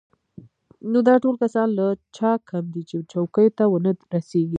نو دا ټول کسان له چا کم دي چې چوکیو ته ونه رسېږي.